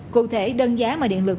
cụ thể đơn giá mà điện lực